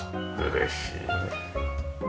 嬉しいね。